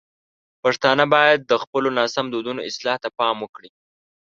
پښتانه باید د خپلو ناسم دودونو اصلاح ته پام وکړي.